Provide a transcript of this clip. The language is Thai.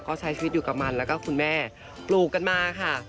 ก็ใช้ชีวิตอยู่กับมันแล้วก็คุณแม่ปลูกกันมาค่ะ